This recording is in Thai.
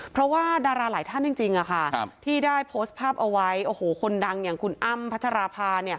เพราะว่าดาราหลายท่านจริงที่ได้โพสต์ภาพเอาไว้โอ้โหคนดังอย่างคุณอ้ำพัชราภา